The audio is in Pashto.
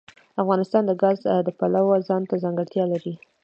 افغانستان د ګاز د پلوه ځانته ځانګړتیا لري.